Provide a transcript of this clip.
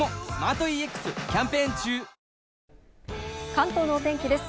関東のお天気です。